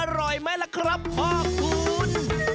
อร่อยไหมล่ะครับพ่อคุณ